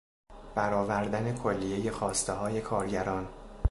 برآوردن کلیهی خواستههای کارگران